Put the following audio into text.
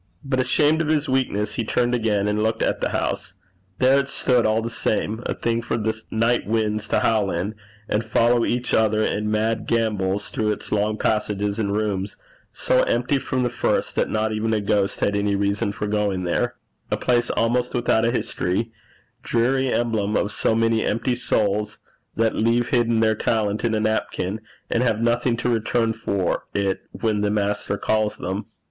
But, ashamed of his weakness, he turned again and looked at the house. There it stood, all the same, a thing for the night winds to howl in, and follow each other in mad gambols through its long passages and rooms, so empty from the first that not even a ghost had any reason for going there a place almost without a history dreary emblem of so many empty souls that have hidden their talent in a napkin, and have nothing to return for it when the Master calls them.